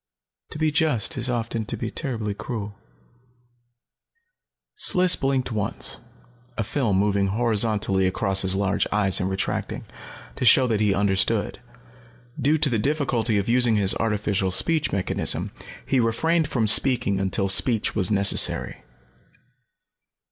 To be just is often to be terribly cruel." Sliss blinked, once, a film moving horizontally across his large eyes and retracting, to show that he understood. Due to the difficulty of using his artificial speech mechanism, he refrained from speaking until speech was necessary.